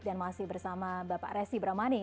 dan masih bersama bapak resi bramani